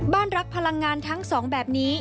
บ้านรักพลังงานทั้ง๒แบบนี้